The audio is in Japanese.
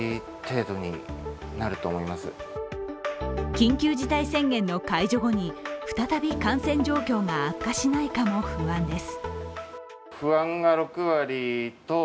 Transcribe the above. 緊急事態宣言の解除後に再び感染状況が悪化しないかも不安です。